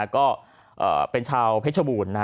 ก็เป็นชาวเพชรบูรณ์